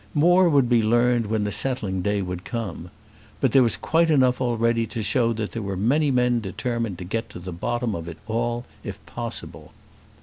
More would be learned when the settling day should come. But there was quite enough already to show that there were many men determined to get to the bottom of it all if possible.